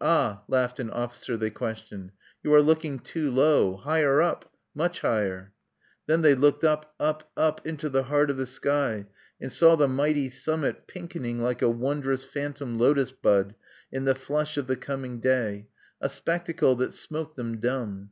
"Ah!" laughed an officer they questioned, "you are looking too low! higher up much higher!" Then they looked up, up, up into the heart of the sky, and saw the mighty summit pinkening like a wondrous phantom lotos bud in the flush of the coming day: a spectacle that smote them dumb.